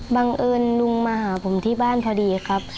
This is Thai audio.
บังเอิญลุงมาหาผมที่บ้านพอดีครับ